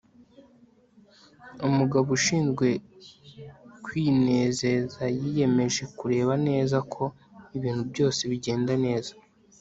Umugabo ushinzwe kwinezezayiyemeje kureba neza ko ibintu byose bigenda neza